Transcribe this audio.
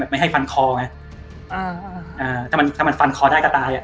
ไม่ให้ฟันคอไงอ่าถ้ามันถ้ามันฟันคอได้ก็ตายอ่ะ